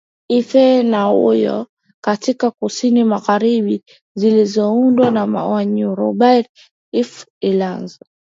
Ife na Oyo katika kusini magharibi zilizoundwa na Wayoruba Ife ilianza